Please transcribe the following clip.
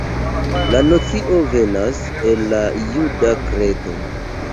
La nocio venas el la juda kredo.